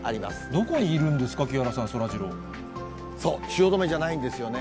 どこにいるんですか、木原さそう、汐留じゃないんですよね。